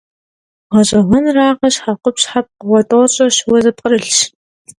Гъэщӏэгъуэнракъэ, щхьэкъупщхьэр пкъыгъуэ тӏощӏрэ щыуэ зэпкърылъщ.